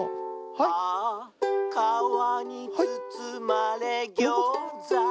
「ああかわにつつまれギョーザ」